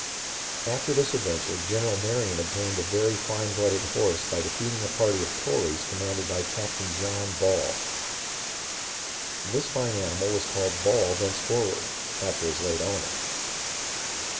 "After this adventure. General Marion obtained a very fine blooded horse by defeating a party of Tories com manded by Captain John Ball. This fine animal was called Ball thenceforward, after his late owner.